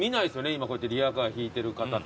今こうやってリヤカー引いてる方って。